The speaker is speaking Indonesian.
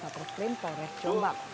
presiden polres jombang